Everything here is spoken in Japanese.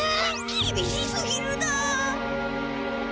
きびしすぎるだ。